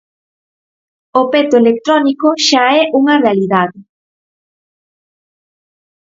O peto electrónico xa é unha realidade.